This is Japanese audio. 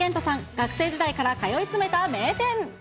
学生時代から通い詰めた名店。